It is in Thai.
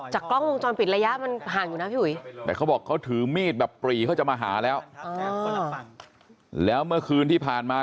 จากกล้องตอนปิดระยะมันผ่านอยู่นะค่ะ